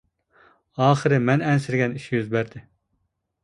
ئاخىرى مەن ئەنسىرىگەن ئىش يۈز بەردى.